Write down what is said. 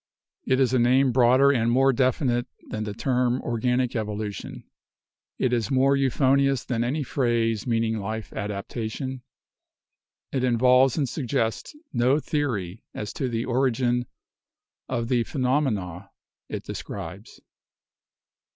It is a name broader and more definite than the term organic evolution, it is more euphonious than any phrase meaning life adaptation, it involves and suggests no theory as to the origin of the phenomena it describes."